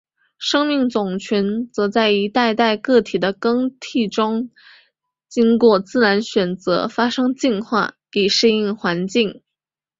生命种群则在一代代个体的更替中经过自然选择发生进化以适应环境。